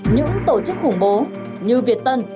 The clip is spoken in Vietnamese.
những tổ chức khủng bố như việt tân